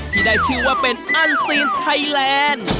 ที่ได้ชื่อว่าเป็นอันซีนไทยแลนด์